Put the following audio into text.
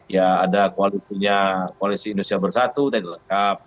ya ada koalisi indonesia bersatu dlkap